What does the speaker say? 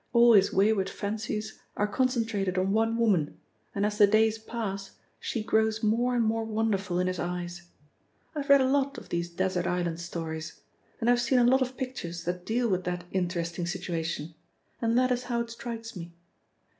All his wayward fancies are concentrated on one woman and as the days pass she grows more and more wonderful in his eyes. I've read a lot of these desert island stories, and I've seen a lot of pictures that deal with that interesting situation, and that is how it strikes me.